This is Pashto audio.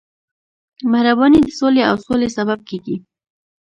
مهرباني د سولې او سولې سبب کېږي.